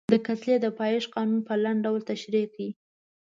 د کتلې د پایښت قانون په لنډ ډول تشریح کړئ.